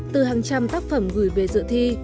từ hàng trăm tác phẩm gửi về dự thi